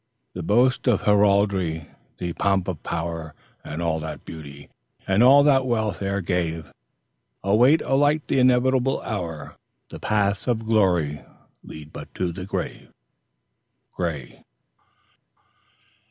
The boast of heraldry, the pomp of power, And all that beauty, and all that wealth e'er gave, Await alike the inevitable hour: The paths of glory lead but to the grave. Gray.